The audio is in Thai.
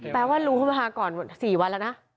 แปลว่ารู้เข้ามาก่อน๔วันแล้วนะ